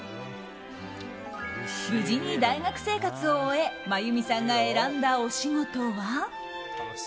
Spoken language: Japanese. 無事に大学生活を終え真弓さんが選んだお仕事は。